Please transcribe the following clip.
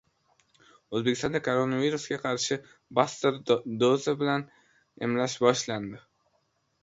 O‘zbekistonda koronavirusga qarshi buster doza bilan emlash boshlandi